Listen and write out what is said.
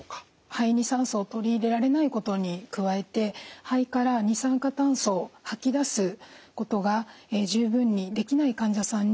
肺に酸素を取り入れられないことに加えて肺から二酸化炭素を吐き出すことが十分にできない患者さんに使います。